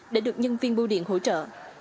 để được nhân viên bu điện hỗ trợ